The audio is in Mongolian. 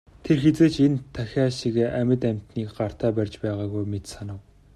Тэр хэзээ ч энэ тахиа шигээ амьд амьтныг гартаа барьж байгаагүй мэт санав.